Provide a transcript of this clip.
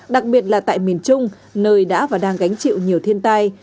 đặc biệt là tại miền trung nơi đã và đang gánh chịu nhiều thiên tai